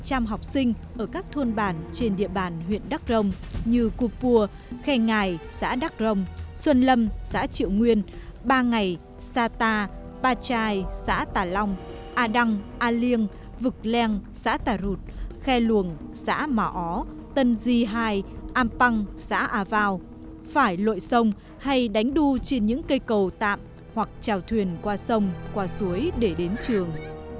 hàng trăm học sinh ở các thôn bản trên địa bàn huyện đắc rồng như cục pua khe ngài xã đắc rồng xuân lâm xã triệu nguyên ba ngày sa ta ba trai xã tà long a đăng a liêng vực leng xã tà rụt khe luồng xã mỏ ó tân di hai am păng xã a vào phải lội sông hay đánh đu trên những cây cầu tạm hoặc trào thuyền qua sông qua suối để đến trường